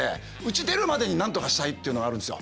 家出るまでになんとかしたいっていうのがあるんですよ。